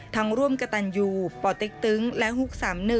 ทั้งร่วมกตันยูปติ๊กตึ๊งและฮุก๓๑